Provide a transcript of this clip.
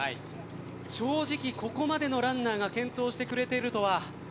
正直ここまでのランナーが健闘してくれているとは。